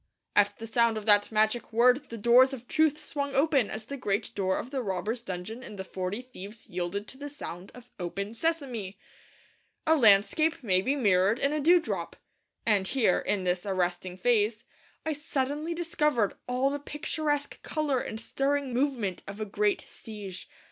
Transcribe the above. at the sound of that magic word the doors of truth swung open as the great door of the robbers' dungeon in The Forty Thieves yielded to the sound of 'Open, Sesame!' A landscape may be mirrored in a dewdrop; and here, in this arresting phrase, I suddenly discovered all the picturesque colour and stirring movement of a great siege.